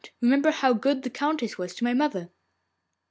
Remember how good the Countess was to my mother.